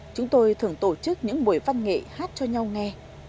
chúng tôi thường tổ chức những buổi văn nghệ hát cho nhau nghe